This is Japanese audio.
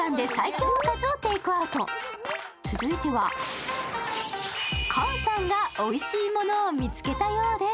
続いては菅さんがおいしいものを見つけたようです。